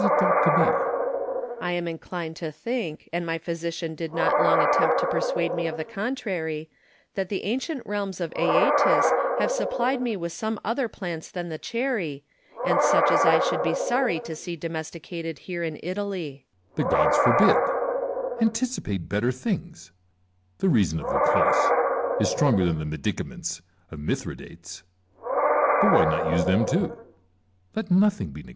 I am inclined to think, and my physician did not long attempt to persuade me of the contrary, that the ancient realms of ffitetes have supplied me with some other plants than the cherry, and such as I should be sorry to see domesticated here in Italy.